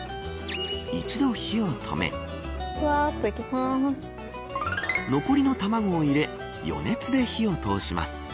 一度、火を止め残りの卵を入れ余熱で火を通します。